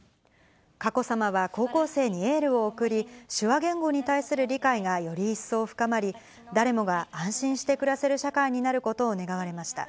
佳子さまは高校生にエールを送り、手話言語に対する理解がより一層深まり、誰もが安心して暮らせる社会になることを願われました。